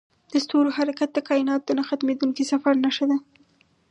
د ستورو حرکت د کایناتو د نه ختمیدونکي سفر نښه ده.